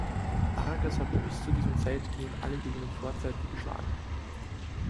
Vargas hatte bis zu diesem Zeitpunkt alle Gegner vorzeitig geschlagen.